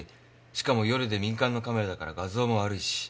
しかも夜で民間のカメラだから画像も悪いし。